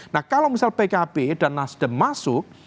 nah kalau misal pkb dan nasdem masuk